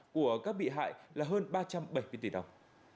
của các bị hại là hơn ba trăm bảy mươi tỷ đồng